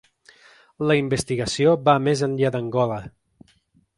La investigació va més enllà d’Angola.